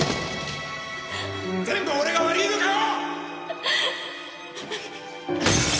全部俺が悪いのかよ！